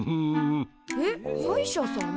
えっ歯医者さん？